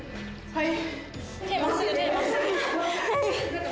はい。